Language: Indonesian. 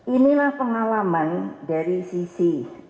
inilah pengalaman dari sisi